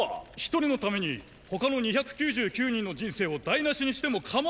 １人のために他の２９９人の人生を台なしにしても構わないって事ですか？